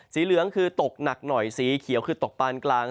เหลืองคือตกหนักหน่อยสีเขียวคือตกปานกลาง